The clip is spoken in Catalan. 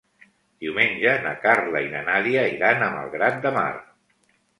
Diumenge na Carla i na Nàdia iran a Malgrat de Mar.